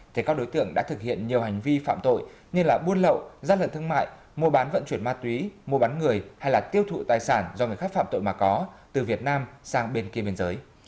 thì các đối tượng đã thực hiện nhiều hành vi phạm tội như là buôn lậu gian lận thương mại mua bán vận chuyển ma túy mua bán người hay là tiêu thụ tài sản do người khác phạm tội mà có từ việt nam sang bên kia biên giới